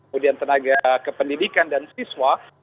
kemudian tenaga kependidikan dan siswa